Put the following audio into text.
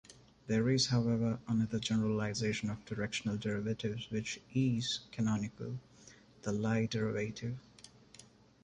There is however another generalization of directional derivatives which "is" canonical: the Lie derivative.